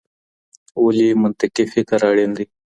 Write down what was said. ولي منطقي فکر اړین دی؟